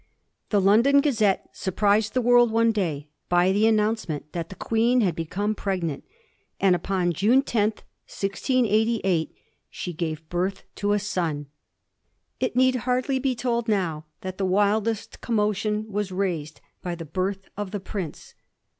The London Gazette surprised the world one day by the announcement that the Queen had become preg nant, and upon June 10, 1688, she gave birth to a son. It need hardly be told now that the wildest commotion was raised by the birth of the prince.